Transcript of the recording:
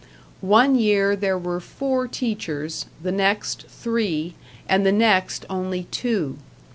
One year there were four teachers, the next three, and the next only two.